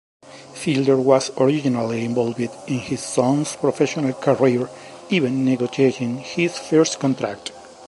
Fielder was originally involved in his son's professional career, even negotiating his first contract.